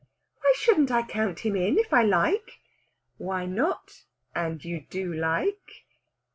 "Why shouldn't I count him in, if I like?" "Why not? And you do like?"